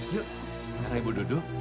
yuk sekarang ibu duduk